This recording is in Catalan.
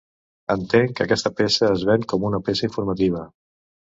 Entenc que aquesta peça es ven com una peça informativa.